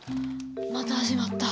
また始まった。